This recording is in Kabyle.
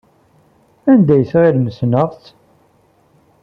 Anda ay tɣilem ssneɣ-tt?